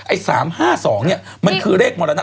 ไอ้๓๕๒เนี่ยมันคือเลขมรณะ